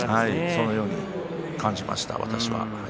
そのように感じました私は。